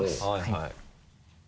はい。